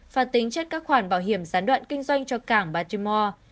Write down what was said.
và tính chất các khoản bảo hiểm sán đoạn kinh doanh cho cảng baltimore